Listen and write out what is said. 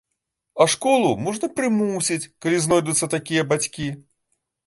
А школу можна прымусіць, калі знойдуцца такія бацькі.